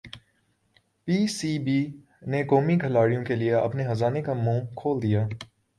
پی C B نے قومی کھلاڑیوں کیلئے اپنے خزانے کا منہ کھول دیا